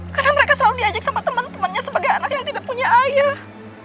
karena mereka selalu diajak sama temen temennya sebagai anak yang tidak punya ayah